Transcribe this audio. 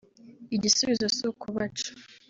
Igisubizo si ukubaca